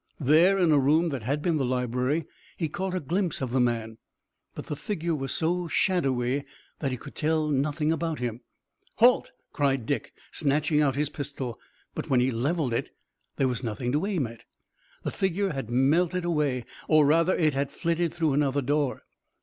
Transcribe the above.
There, in a room that had been the library, he caught a glimpse of the man. But the figure was so shadowy that he could tell nothing about him. "Halt!" cried Dick, snatching out his pistol. But when he leveled it there was nothing to aim at. The figure had melted away, or rather it had flitted through another door.